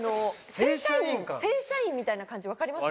正社員みたいな感じわかります？